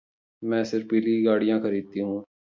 मैं सिर्फ़ पीली गाड़ियाँ ख़रीदती हूँ।